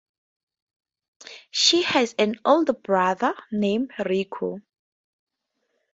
She has an older brother named Riku.